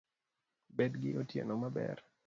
Bed gi otieno maber